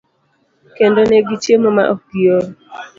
kendo ne gichiemo ma ok giol.